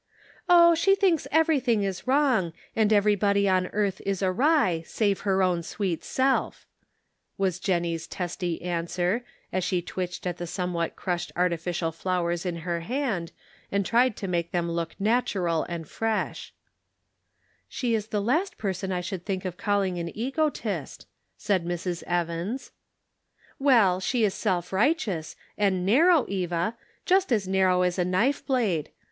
" Oh, she thinks everything is wrong, and everybody on earth is awry, save her own sweet self," was Jennie's testy answer, as she twitched at the somewhat crushed artificial flowers in her hand, and tried to make them look natural and fresh. 212 The Pocket Measure. "She is the last person I should think of calling an egotist," said Mrs. Evans. " Well, she is self righteous ; and narrow, Eva; just as narrow as a knife blade.